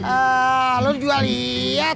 eh lu juga liat